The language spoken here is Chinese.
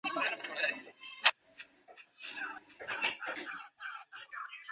本剧亦为坂口健太郎的初次主演剧作。